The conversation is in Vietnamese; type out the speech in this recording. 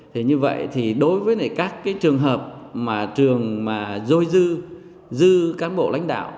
thì như vậy thì đối với các cái trường hợp mà trường mà dôi dư dư cán bộ lãnh đạo